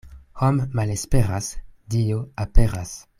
Hom' malesperas, Dio aperas.